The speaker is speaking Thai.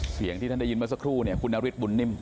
ที่ท่านได้ยินเมื่อสักครู่เนี่ยคุณนฤทธบุญนิ่ม